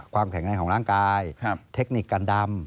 ความแข็งในของร่างกายเทคนิคการดำ